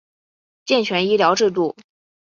健全医疗制度